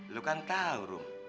lo kan tau room